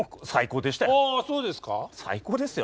最高ですよ。